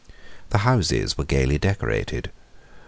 The houses were gaily decorated.